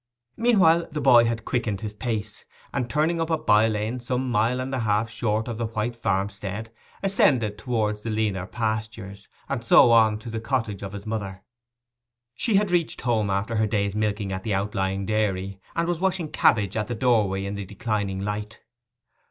Meanwhile the boy had quickened his pace, and turning up a by lane some mile and half short of the white farmstead, ascended towards the leaner pastures, and so on to the cottage of his mother. She had reached home after her day's milking at the outlying dairy, and was washing cabbage at the doorway in the declining light.